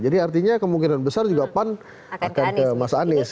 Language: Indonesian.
jadi artinya kemungkinan besar juga pan akan ke mas anies